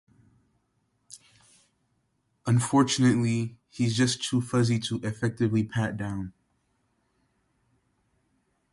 Unfortunately, he's just too fuzzy to effectively pat down.